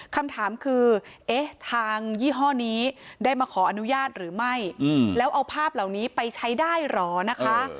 คำถามคือเอ๊ะทางยี่ห้อนี้ได้มาขออนุญาตหรือไม่แล้วเอาภาพเหล่านี้ไปใช้ได้เหรอนะคะ